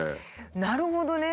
なるほどね。